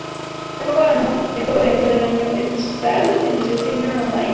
El juego ganó el Juego de aventura del año en Digital Entertainment On-line.